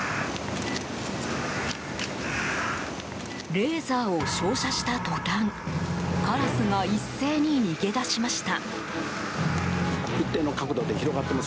レーザーを照射した途端カラスが一斉に逃げ出しました。